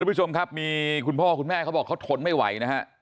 ผู้ชมครับมีคุณพ่อคุณแม่เขาบอกเขาทนไม่ไหวนะฮะ